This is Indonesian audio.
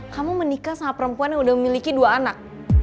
kamu menikah sama perempuan yang udah memiliki dua anak